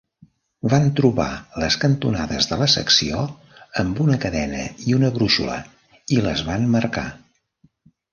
Van trobar les cantonades de la secció amb una cadena i una brúixola i les van marcar.